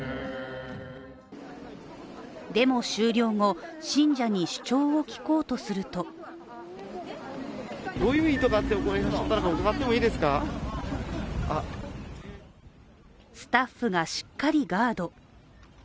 デモ終了後、信者に主張を聞こうとするとスタッフがしっかりガード。